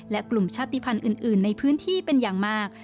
และกลุ่มชาติภัณฑ์อื่นในพื้นที่เป็นอย่างมาก